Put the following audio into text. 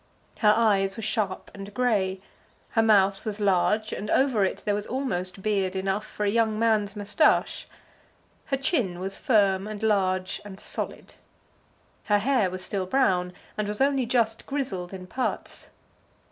Her eyes were sharp and grey. Her mouth was large, and over it there was almost beard enough for a young man's moustache. Her chin was firm, and large, and solid. Her hair was still brown, and was only just grizzled in parts.